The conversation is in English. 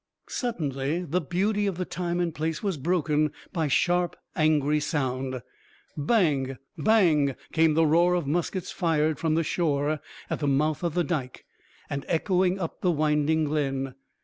Suddenly the beauty of the time and place was broken by sharp, angry sound. Bang! bang! came the roar of muskets fired from the shore at the mouth of the Dike, and echoing up the winding glen.